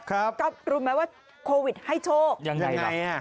ครับก็รู้ไหมว่าโควิดให้โชคยังไงหรือเปล่า